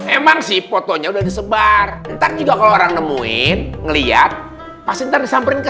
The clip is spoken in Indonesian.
emang sih fotonya udah disebar ntar juga kalau orang nemuin ngeliat pasti ntar disamperin ke